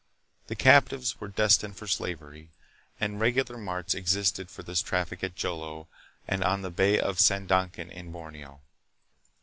The captives were destined for slavery, and regular marts existed for this traffic at Jolo and on the Bay of Sandakan in Borneo.